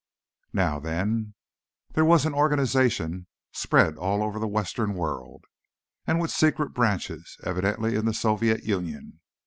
Now, then.... There was an organization, spread all over the Western world, and with secret branches, evidently, in the Soviet Union.